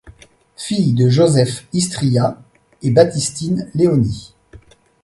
Fille de Joseph Istria et Baptistine Léoni.